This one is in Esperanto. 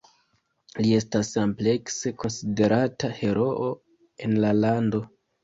Li estas amplekse konsiderata heroo en la lando.